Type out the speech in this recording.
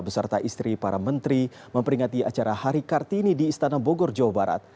beserta istri para menteri memperingati acara hari kartini di istana bogor jawa barat